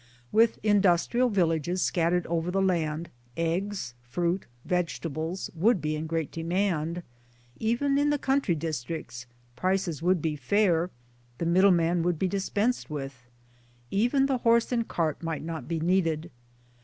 With industrial villages scattered over the land, eggs, fruits, vegetables would be in great demand even in country districts prices would be fair, the middleman would be dispensed with ; even the horse and cart might not 'be needed.